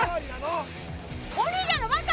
お兄ちゃんのバカ！